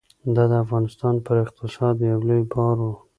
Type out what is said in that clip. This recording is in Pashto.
دا د افغانستان پر اقتصاد یو لوی بار و.